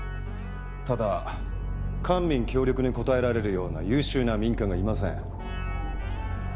ただ官民協力に応えられるような優秀な民間がいません。